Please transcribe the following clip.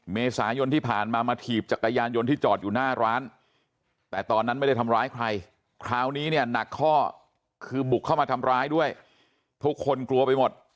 เมษายนที่ผ่านมามาถีบจักรยานยนต์ที่จอดอยู่หน้าร้านแต่ตอนนั้นไม่ได้ทำร้ายใครคราวนี้เนี่ยหนักข้อคือบุกเข้ามาทำร้ายด้วยทุกคนกลัวไปหมด